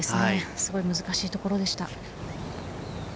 すごい難しいところでした。